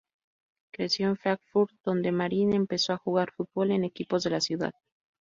Creció en Frankfurt, donde Marin empezó a jugar fútbol en equipos de la ciudad.